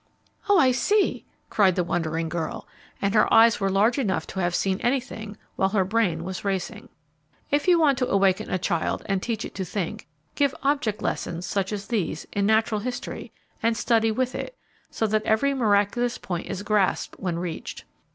"Oh, I see!" cried the wondering girl, and her eyes were large enough to have seen anything, while her brain was racing. If you want to awaken a child and teach it to think, give object lessons such as these, in natural history and study with it, so that every miraculous point is grasped when reached.